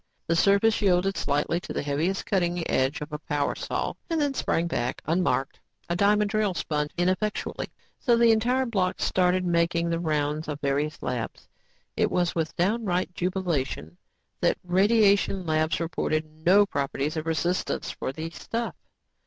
The surface yielded slightly to the heaviest cutting edge of a power saw and then sprang back, unmarked. A diamond drill spun ineffectually. So the entire block started making the rounds of the various labs. It was with downright jubilation that radiation labs reported no properties of resistance for the stuff.